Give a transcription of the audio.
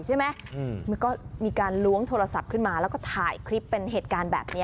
มันก็มีการล้วงโทรศัพท์ขึ้นมาแล้วก็ถ่ายคลิปเป็นเหตุการณ์แบบนี้